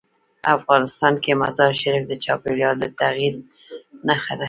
افغانستان کې مزارشریف د چاپېریال د تغیر نښه ده.